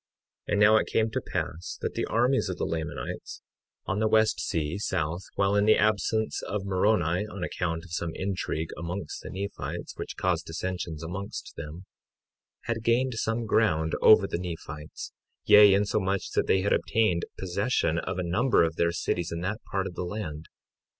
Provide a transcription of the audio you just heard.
53:8 And now it came to pass that the armies of the Lamanites, on the west sea, south, while in the absence of Moroni on account of some intrigue amongst the Nephites, which caused dissensions amongst them, had gained some ground over the Nephites, yea, insomuch that they had obtained possession of a number of their cities in that part of the land.